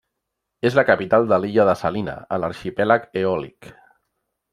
És la capital de l'illa de Salina, a l'arxipèlag Eòlic.